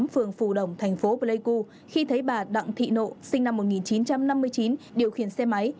phường phù đồng thành phố pleiku khi thấy bà đặng thị nộ sinh năm một nghìn chín trăm năm mươi chín điều khiển xe máy